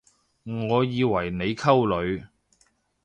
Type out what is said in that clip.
我以為你溝女